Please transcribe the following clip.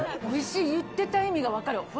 おいしい、言ってた意味が分かる。